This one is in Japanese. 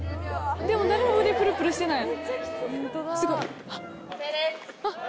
でも誰も腕プルプルしてない。